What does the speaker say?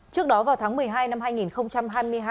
trước đó vào tháng một mươi hai năm hai nghìn hai mươi hai